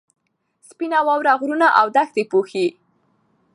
سپینه واوره غرونه او دښتې پوښي.